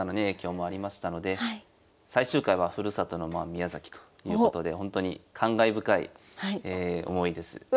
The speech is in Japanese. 影響もありましたので最終回はふるさとの宮崎ということでほんとに感慨深い思いです。